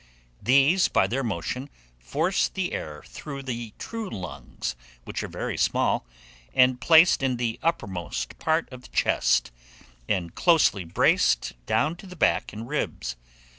These, by their motion, force the air through the true lungs, which are very small, and placed in the uppermost part of the chest, and closely braced down to the back and ribs.